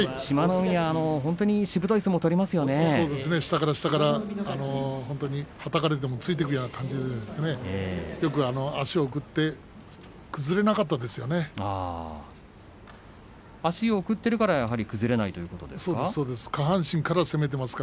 海は本当に下から下からはたかれてもついていく感じでよく足を送って足を送っているから崩れないということですか。